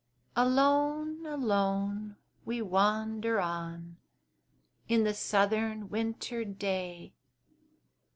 Alone, alone we wander on, In the southern winter day.